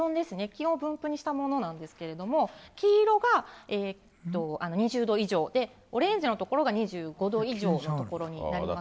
気温を分布にしたものなんですけれども、黄色が２０度以上で、オレンジの所が２５度以上の所になります。